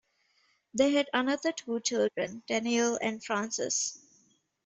They had another two children Daniel and Frances.